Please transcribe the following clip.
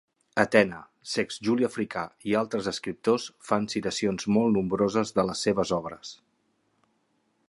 Atena, Sext Juli Africà i altres escriptors fan citacions molt nombroses de les seves obres.